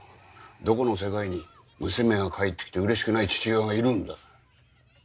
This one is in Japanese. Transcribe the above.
どこの世界に娘が帰ってきてうれしくない父親がいるんだ。